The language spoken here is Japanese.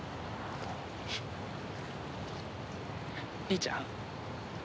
兄ちゃん？